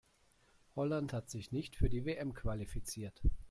Holland hat sich nicht für die WM qualifiziert.